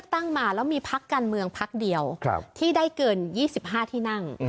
ที่ได้เกิน๒๕ที่นั่ง